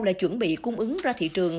là chuẩn bị cung ứng ra thị trường